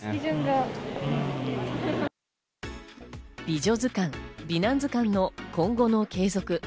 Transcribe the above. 美女図鑑・美男図鑑の今後の継続。